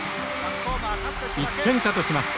１点差とします。